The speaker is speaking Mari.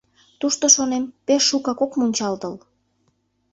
Тушто, шонем, пеш шукак от мунчалтыл.